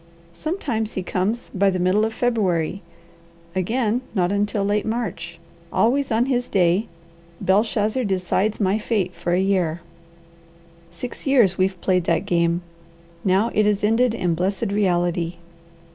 Sometimes he comes by the middle of February, again not until late March. Always on his day, Belshazzar decides my fate for a year. Six years we've played that game; now it is ended in blessed reality.